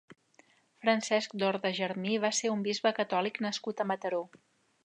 Francesc Dorda Germí va ser un bisbe catòlic nascut a Mataró.